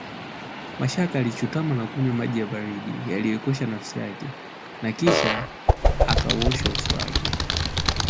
Mashaka alichutama na kunywa maji baridi yaliyoikosha nafsi yake na kisha akauosha uso wake